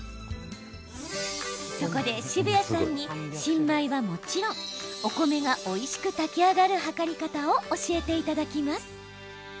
そこで澁谷さんに新米は、もちろんお米がおいしく炊き上がる量り方を教えていただきます。